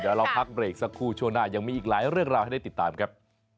เดี๋ยวเราพักเบรกสักครู่ช่วงหน้ายังมีอีกหลายเรื่องราวให้ได้ติดตามครับ